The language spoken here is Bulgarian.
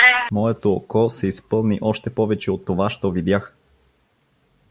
Моето око се изпълни още повече от това, що видях.